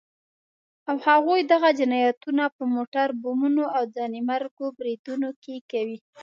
او هغوی دغه جنايتونه په موټر بمونو او ځانمرګو بريدونو کې کوي.